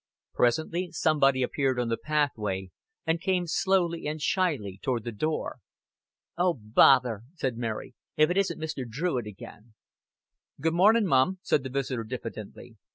Presently somebody appeared on the pathway, and came slowly and shyly toward the door. "Oh, bother," said Mary. "If it isn't Mr. Druitt again." "Good mornin', mum," said the visitor, diffidently.